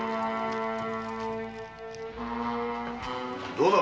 どうだ？